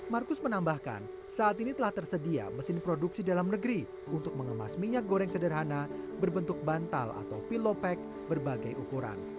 marcus menambahkan saat ini telah tersedia mesin produksi dalam negeri untuk mengemas minyak goreng sederhana berbentuk bantal atau pilopek berbagai ukuran